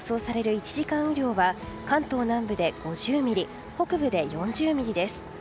１時間雨量は関東南部で５０ミリ北部で４０ミリです。